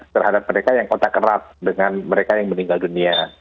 terhadap mereka yang kontak erat dengan mereka yang meninggal dunia